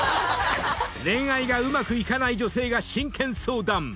［恋愛がうまくいかない女性が真剣相談。